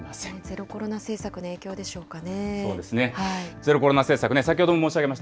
ゼロコロナ政策の影響でしょうかね。